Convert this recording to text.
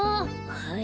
はい。